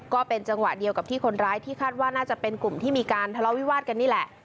ก็เป็นจังหวะเดียวกับที่คนร้ายที่คาดว่าน่าจะเป็นกลุ่มที่มีการทะเลาวิวาสกันนี่แหละ